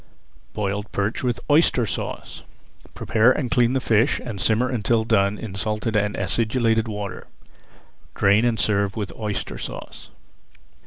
BOILED PERCH WITH OYSTER SAUCE Prepare and clean the fish and simmer until done in salted and acidulated water. Drain and serve with Oyster Sauce.